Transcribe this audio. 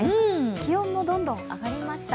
気温もどんどん上がりました。